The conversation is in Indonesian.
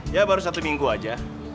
ya baru satu minggu aja